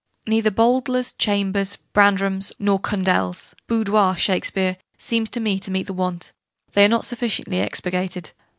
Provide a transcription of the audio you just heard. Neither Bowdler's, Chambers's, Brandram's, nor Cundell's 'Boudoir' Shakespeare, seems to me to meet the want: they are not sufficiently 'expurgated.'